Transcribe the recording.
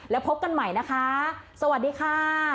แล้วพบกันใหม่นะคะสวัสดีค่ะ